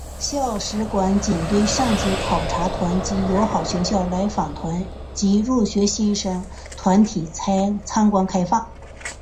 校史馆仅对上级考察团及友好学校来访团及入学新生团体参观开放。